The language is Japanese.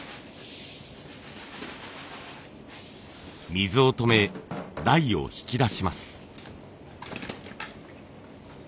水を止め台を引き出します。